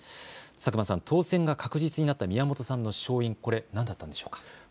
佐久間さん当選が確実になった宮本さんの勝因これは何だったのでしょうか。